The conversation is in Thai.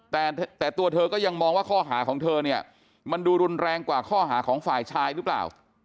แต่ตัวเธอก็ยังมองว่าข้อหาของเธอเนี่ยมันดูรุนแรงกว่าข้อหาของฝ่ายชายหรือเปล่า